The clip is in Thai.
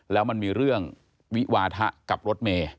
แล้วมันมีเรื่องวิวาทะกับรถเมย์